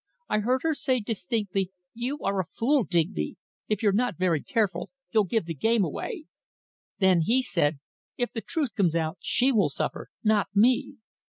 I heard her say distinctly, 'You are a fool, Digby! If you're not very careful you'll give the game away.' Then he said, 'If the truth comes out, she will suffer, not me.'"